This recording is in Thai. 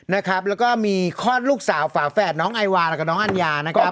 นะครับแล้วก็มีคลอดลูกสาวฝาแฝดน้องไอวาแล้วก็น้องอัญญานะครับ